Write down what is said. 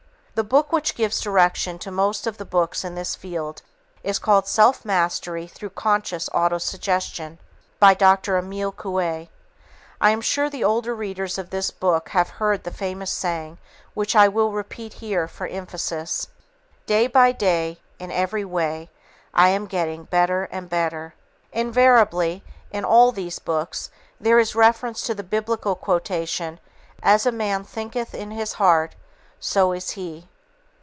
The book which gives direction to most of the books in this field is called Self Mastery Through Conscious Auto Suggestion by Dr. Emile Coué. I am sure the older readers of this book have heard of his famous saying, which I will repeat here for emphasis. "Day by day, in every way, I am getting better and better." Invariably, in all these books, there is reference to the Biblical quotation, "As a man thinketh in his heart, so is he."